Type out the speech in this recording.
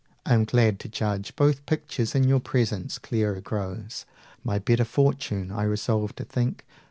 I am glad to judge 180 Both pictures in your presence; clearer grows My better fortune, I resolve to think.